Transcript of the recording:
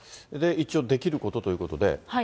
一応できることということで。